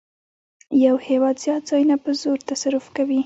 یو هېواد زیات ځایونه په زور تصرف کوي